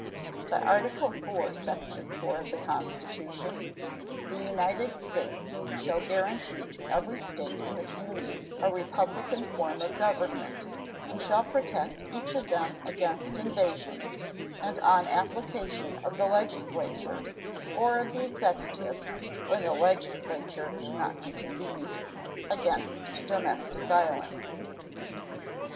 By Article IV, section 4, of the Constitution The United States shall guarantee to every State in this Union a republican form of government, and shall protect each of them against invasion, and on application of the legislature, or of the executive (when the legislature can not be convened), against domestic violence.